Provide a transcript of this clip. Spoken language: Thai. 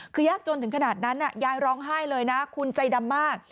คือยากจนถึงขนาดนั้นยายร้องไห้เลยนะคุณใจดำมาก